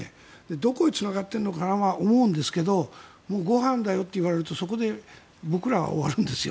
どこへつながっているのかなと思うんですけどもうご飯だよって言われるとそこで僕らは終わるんですよ